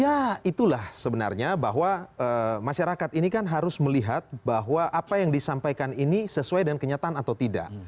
ya itulah sebenarnya bahwa masyarakat ini kan harus melihat bahwa apa yang disampaikan ini sesuai dengan kenyataan atau tidak